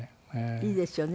いいですよね